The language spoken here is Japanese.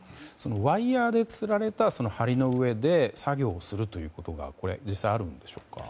ワイヤでつられた梁の上で作業をするということは実際あるんでしょうか。